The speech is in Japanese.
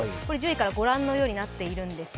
１０位から御覧のようになっています。